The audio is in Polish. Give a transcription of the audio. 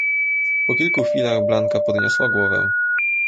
"Po kilku chwilach Blanka podniosła głowę."